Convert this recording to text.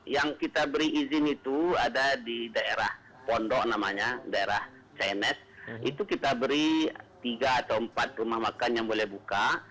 yang kita beri izin itu ada di daerah pondok namanya daerah cns itu kita beri tiga atau empat rumah makan yang boleh buka